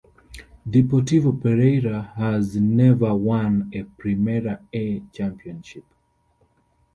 Deportivo Pereira has never won a Primera A championship.